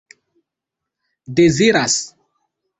deziras